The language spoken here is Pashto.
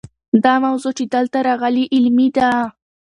دا موضوع چې دلته راغلې علمي ده.